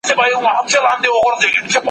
کرفس ډېره اندازه اوبه لري.